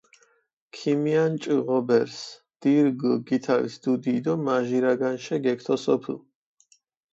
ქიმიანჭჷ ღობერს, დირგჷ გითალს დუდი დო მაჟირა განშე გეგთოსოფჷ.